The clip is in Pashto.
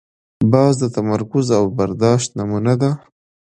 باز د تمرکز او برداشت نمونه ده